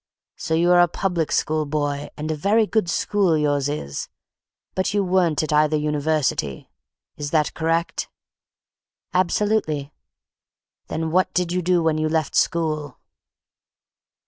So you are a public school boy, and a very good school yours is, but you weren't at either University. Is that correct?" "Absolutely." "What did you do when you left school?"